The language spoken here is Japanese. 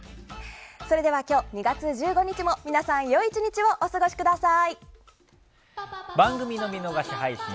それでは今日２月１５日も皆さん良い１日をお過ごしください。